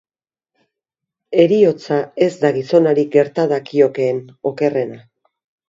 Heriotza ez da gizonari gerta dakiokeen okerrena.